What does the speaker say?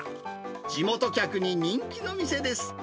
地元客に人気の店です。